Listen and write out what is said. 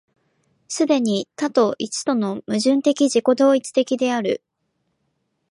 既に多と一との矛盾的自己同一的である。